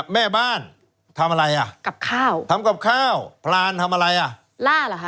แม่บ้านทำอะไรอ่ะกับข้าวทำกับข้าวพรานทำอะไรอ่ะล่าเหรอคะ